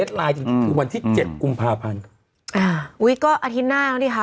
ไลน์จริงจริงคือวันที่เจ็ดกุมภาพันธ์อ่าอุ้ยก็อาทิตย์หน้าแล้วดิคะ